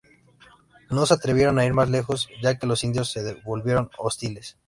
No se atrevieron a ir más lejos ya que los indios se volvieron hostiles.